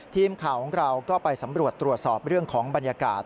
ทีมข่าวของเราก็ไปสำรวจตรวจสอบเรื่องของบรรยากาศ